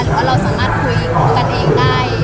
ว่าเราสามารถคุยกันเองได้